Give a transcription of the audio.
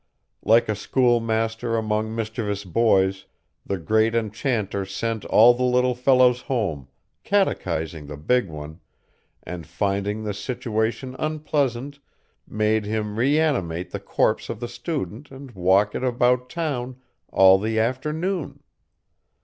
Like a schoolmaster among mischievous boys, the great enchanter sent all the little fellows home, catechised the big one, and finding the situation unpleasant, made him reanimate the corpse of the student and walk it about town all the afternoon.